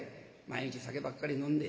毎日酒ばっかり飲んで。